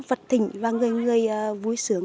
vật thỉnh và người người vui sướng